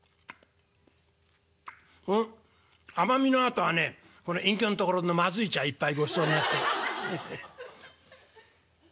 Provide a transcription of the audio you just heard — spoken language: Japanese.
「うん甘みのあとはねこれ隠居んところのまずい茶一杯ごちそうになって。ヘヘッ」。